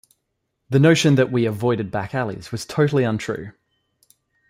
The notion 'that we avoided back alleys was totally untrue'.